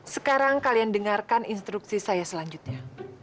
sekarang kalian dengarkan instruksi saya selanjutnya